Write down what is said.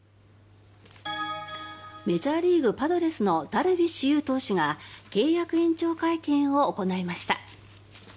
メジャーリーグ、パドレスのダルビッシュ有投手が契約延長会見を行いました。